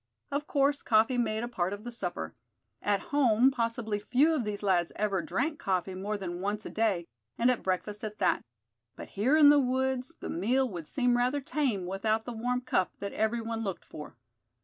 Of course coffee made a part of the supper. At home possibly few of these lads ever drank coffee more than once a day, and at breakfast at that; but here in the woods the meal would seem rather tame without the warm cup that every one looked for.